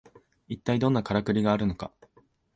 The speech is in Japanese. いったいどんなカラクリがあるのか